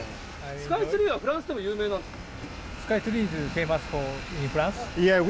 スカイツリーはフランスでも有名なんですか？